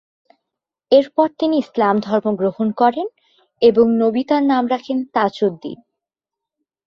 এরপর তিনি ইসলাম ধর্ম গ্রহণ করেন এবং নবী তার নাম রাখেন তাজউদ্দিন।